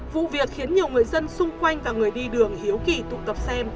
vụ việc khiến nhiều người dân xung quanh và người đi đường hiếu kỳ tụ tập xem